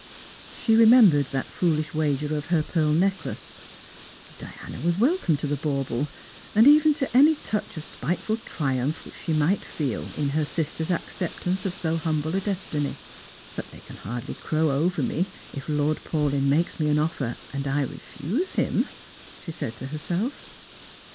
She remembered that foohsh wager of her pearl necklace. Diana was welcome to the bauble, and even to any touch of spiteful triumph which she might feel in her sister's acceptance of so humble a destiny. " But they can hardly crow over me if Lord Paulyn makes me an offer, and I refuse him," she said to herself.